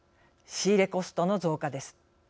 仕入れコストの増加です。